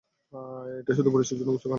এটা শুধু পুরুষদের জন্য গোসল খানা।